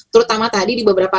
terutama tadi di beberapa